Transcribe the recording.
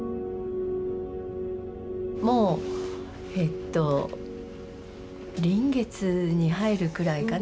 もうえっと臨月に入るくらいかな。